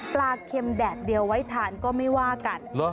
เค็มแดดเดียวไว้ทานก็ไม่ว่ากัน